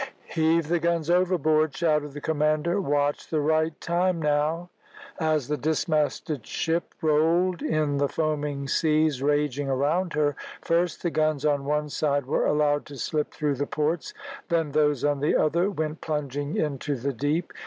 "Heave the guns overboard!" shouted the commander. "Watch the right time now." As the dismasted ship rolled in the foaming seas raging around her, first the guns on one side were allowed to slip through the ports, then those on the other went plunging into the deep.